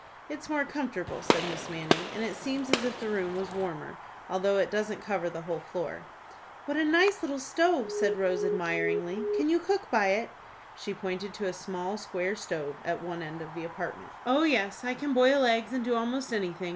"It's more comfortable," said Miss Manning, "and it seems as if the room was warmer, although it doesn't cover the whole floor." "What a nice little stove!" said Rose, admiringly, "Can you cook by it?" She pointed to a small square stove, at one end of the apartment. "Oh, yes, I can boil eggs, and do almost anything.